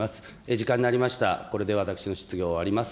時間になりました、これで私の質疑を終わります。